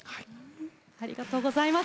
ありがとうございます。